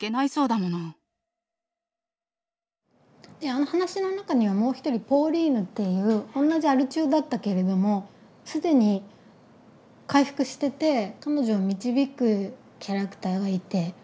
あの話の中にはもう一人ポーリーヌっていう同じアル中だったけれども既に回復してて彼女を導くキャラクターがいて。